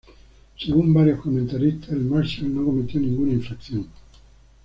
Según varios comentaristas, el "marshal" no cometió ninguna infracción.